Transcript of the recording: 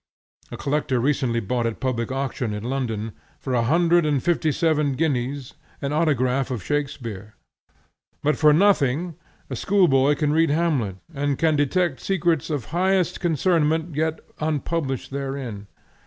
A collector recently bought at public auction, in London, for one hundred and fifty seven guineas, an autograph of Shakspeare; but for nothing a school boy can read Hamlet and can detect secrets of highest concernment yet unpublished therein.